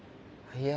いや。